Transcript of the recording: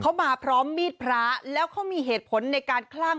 เขามาพร้อมมีดพระแล้วเขามีเหตุผลในการคลั่ง